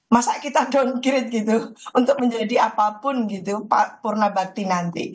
masa kita downgrade gitu untuk menjadi apapun gitu purna bakti nanti